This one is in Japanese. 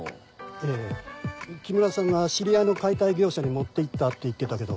ええ木村さんが知り合いの解体業者に持って行ったって言ってたけど。